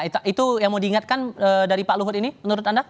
itu yang mau diingatkan dari pak luhut ini menurut anda